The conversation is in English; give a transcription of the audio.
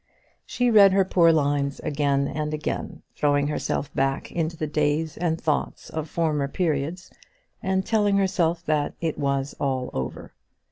She read her poor lines again and again, throwing herself back into the days and thoughts of former periods, and telling herself that it was all over.